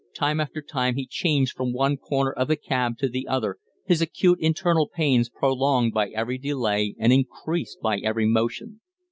Time after time he changed from one corner of the cab to the other, his acute internal pains prolonged by every delay and increased by every motion.